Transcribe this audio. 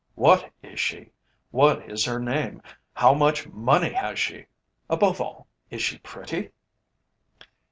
What is she? What is her name? How much money has she? Above all, is she pretty?"